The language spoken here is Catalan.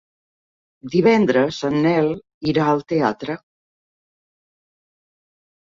Divendres en Nel irà al teatre.